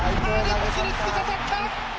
に突き刺さった。